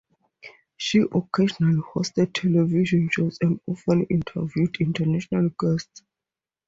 She occasionally hosted television shows and often interviewed international guests.